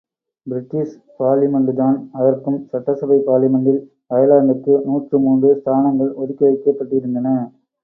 British பார்லிமென்டுதான் அதற்கும் சட்டசபை பார்லிமென்டில் அயர்லாந்துக்கு நூற்றி மூன்று ஸ்தானங்கள் ஒதுக்கி வைக்கப்ட்டிருந்தன.